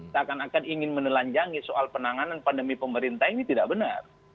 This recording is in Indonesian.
seakan akan ingin menelanjangi soal penanganan pandemi pemerintah ini tidak benar